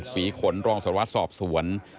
ศรีขนรองสวรรค์สอบสวน